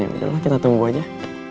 yaudah lah kita tunggu aja